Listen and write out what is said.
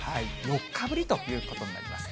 ４日ぶりということになります。